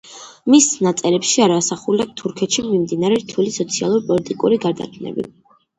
მის ნაწერებში არ ასახულა თურქეთში მიმდინარე რთული სოციალური-პოლიტიკური გარდაქმნები.